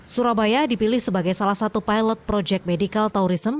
surabaya dipilih sebagai salah satu pilot project medical tourism